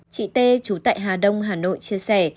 chị tê chú tại hà đông hà nội chia sẻ